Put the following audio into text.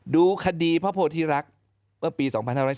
ดูคดีพระโพธิรักษ์เมื่อปี๒๕๔